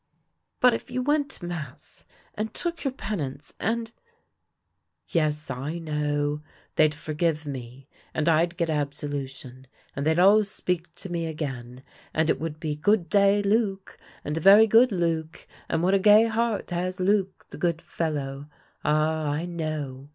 " But if vou went to mass, and took your penance, and "" Yes, I know ; they'd forgive me, and I'd get absolu tion, and they'd all speak to me again, and it would be, ' Good day, Luc,' and ' Very good, Luc,' and ' What a gay heart has Luc, the good fellow !' Ah, I know.